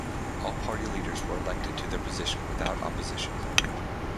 All party leaders were elected to their position without opposition.